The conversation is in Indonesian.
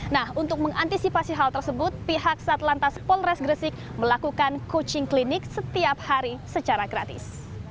nah untuk mengantisipasi hal tersebut pihak satlantas polres gresik melakukan coaching klinik setiap hari secara gratis